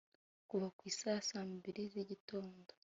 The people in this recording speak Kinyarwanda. Kuva ku isaha ya saa mbili z’igitondo